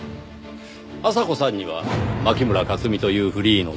阿佐子さんには牧村克実というフリーの雑誌記者